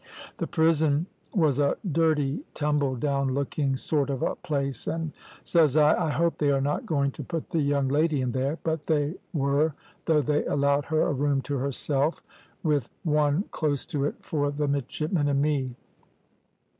"The prison was a dirty tumbled down looking sort of a place, and says I, `I hope they are not going to put the young lady in there;' but they were, though they allowed her a room to herself, with one close to it for the midshipmen and me.